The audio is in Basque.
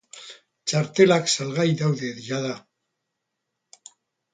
Txartelak salgai daude jada.